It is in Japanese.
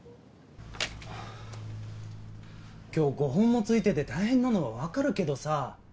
今日５本も付いてて大変なのは分かるけどさ。